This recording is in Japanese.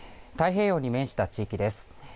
太平洋に面した地域です。